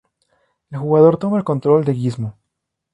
El jugador toma el control de Gizmo.